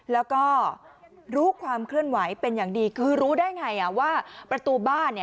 แล้วก็รู้ความเคลื่อนไหวเป็นอย่างดีคือรู้ได้ไงว่าประตูบ้าน